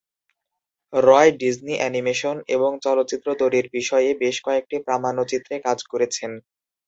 রয় Disney animation এবং চলচ্চিত্র তৈরির বিষয়ে বেশ কয়েকটি প্রামাণ্যচিত্রে কাজ করেছেন।